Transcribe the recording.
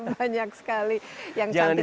banyak sekali yang cantik